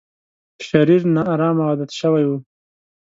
شرير، نا ارامه او عادت شوی و.